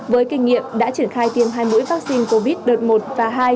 với kinh nghiệm đã triển khai tiêm hai mũi vaccine covid đợt một và hai